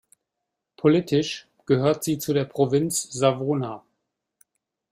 Politisch gehört sie zu der Provinz Savona.